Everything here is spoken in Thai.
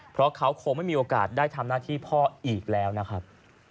เพราะเขาคงไม่มีโอกาสได้ทำหน้าที่พ่ออีกแล้วนะครับ